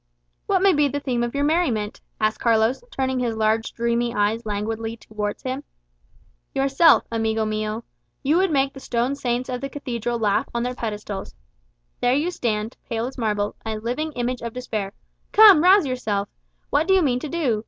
"What may be the theme of your merriment?" asked Carlos, turning his large dreamy eyes languidly towards him. "Yourself, amigo mio. You would make the stone saints of the Cathedral laugh on their pedestals. There you stand, pale as marble, a living image of despair. Come, rouse yourself! What do you mean to do?